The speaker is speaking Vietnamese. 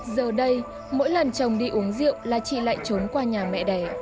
giờ đây mỗi lần chồng đi uống rượu là chị lại trốn qua nhà mẹ đẻ